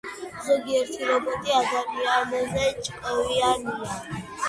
ზოგიერთი რობოტი ადამიანზე ჭკვიანია